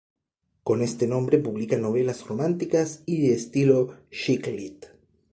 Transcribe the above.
Con este nombre publica novelas románticas y de estilo "chick lit".